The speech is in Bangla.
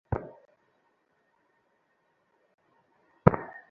দেহ মরিবে, কিন্তু আমি মরিব না।